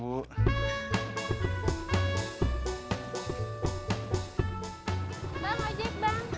bang ojek bang